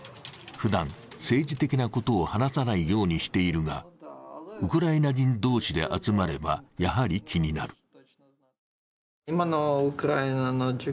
ふだん、政治的なことを話さないようにしているがウクライナ人同士で集まればやはり気になる。